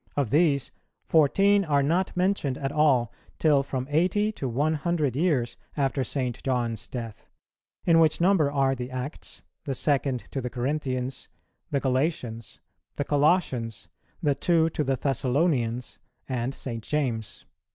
Of these, fourteen are not mentioned at all till from eighty to one hundred years after St. John's death, in which number are the Acts, the Second to the Corinthians, the Galatians, the Colossians, the Two to the Thessalonians, and St. James.